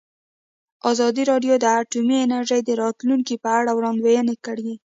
ازادي راډیو د اټومي انرژي د راتلونکې په اړه وړاندوینې کړې.